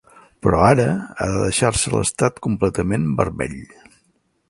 Però ara, ha de deixar-se l'estat completament vermell.